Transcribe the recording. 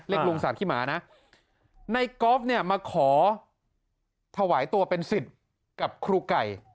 เรียกลุงศาสตร์ขี้หมานะในก๊อฟเนี่ยมาขอถวายตัวเป็นสิทธิ์กับครูไก่